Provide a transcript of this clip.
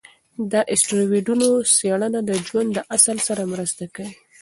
د اسټروېډونو څېړنه د ژوند د اصل سره مرسته کوي.